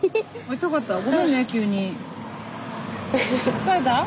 疲れた？